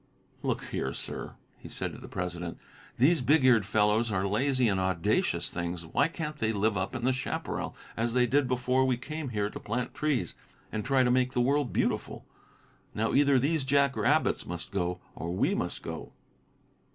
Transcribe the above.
"Look here, sir," he said to the president, "these big eared fellows are lazy and audacious things. Why can't they live up in the chaparral, as they did before we came here to plant trees and try to make the world beautiful? Now, either these jack rabbits must go or we must go."